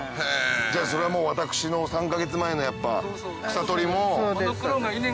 じゃあそれはもう私の３か月前のやっぱ草取りも。